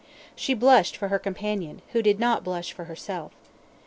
She blushed for her companion, who did not blush for herself.